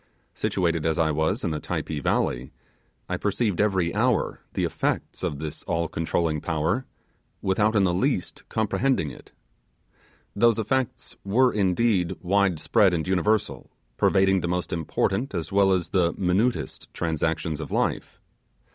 Situated as I was in the Typee valley, I perceived every hour the effects of this all controlling power, without in the least comprehending it. Those effects were, indeed, wide spread and universal, pervading the most important as well as the minutest transactions of life.